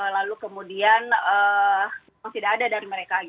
lalu kemudian memang tidak ada dari mereka